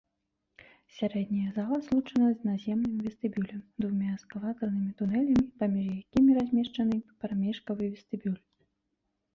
Сярэдняя зала злучана з наземным вестыбюлем двума эскалатарнымі тунэлямі, паміж якімі размешчаны прамежкавы вестыбюль.